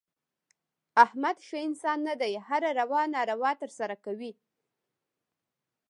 احمد ښه انسان نه دی. هره روا ناروا ترسه کوي.